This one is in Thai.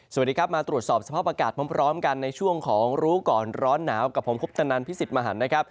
สวัสดีครับมาตรวจสอบสภาพอากาศพร้อมกันในช่วงของรู้ก่อนร้อนหนาวกับผมคุปตนันพิสิทธิ์มหันนะครับ